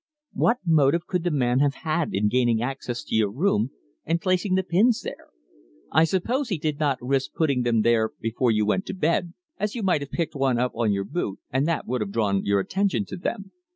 "What motive could the man have had in gaining access to your room and placing the pins there? I suppose he did not risk putting them there before you went to bed, as you might have picked one up on your boot, and that would have drawn your attention to them.